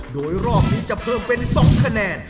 โดยรอบนี้จะเพิ่มเป็น๒คะแนน